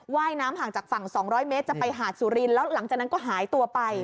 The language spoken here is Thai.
ว่ายน้ำห่างจากฝั่ง๒๐๐เมตรจะไปหาดสุรินทร์แล้วหลังจากนั้นก็หายตัวไป